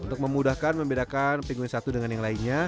untuk memudahkan membedakan pinguin satu dengan yang lainnya